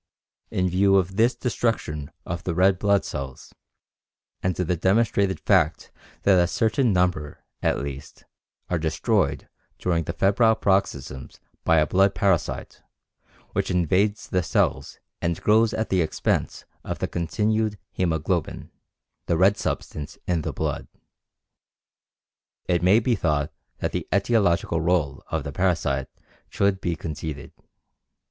In view of this destruction of the red blood cells and the demonstrated fact that a certain number, at least, are destroyed during the febrile paroxysms by a blood parasite, which invades the cells and grows at the expense of the continued hæmoglobin [the red substance in the blood], it may be thought that the etiological rôle of the parasite should be conceded.